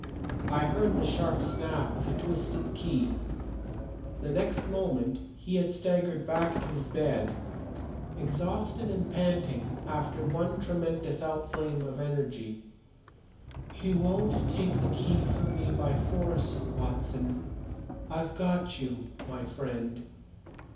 I heard the sharp snap of a twisted key. The next moment he had staggered back to his bed, exhausted and panting after his one tremendous outflame of energy. "You won't take the key from me by force, Watson, I've got you, my friend.